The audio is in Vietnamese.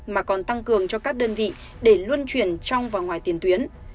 mà còn tăng cường cho các đơn vị để luân chuyển trong và ngoài tiền tuyến